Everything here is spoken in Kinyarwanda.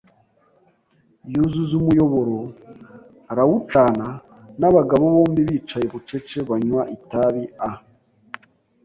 Yuzuza umuyoboro arawucana; nabagabo bombi bicaye bucece banywa itabi a